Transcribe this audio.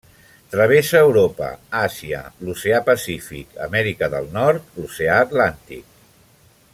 Travessa Europa, Àsia, l'Oceà Pacífic, Amèrica del Nord l'oceà Atlàntic.